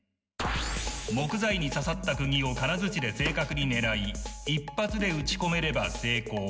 木材に刺さった釘を金づちで正確に狙い一発で打ち込めれば成功。